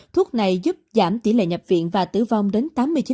thuốc này giúp giảm tỷ lệ nhập viện và tử vong đến tám mươi chín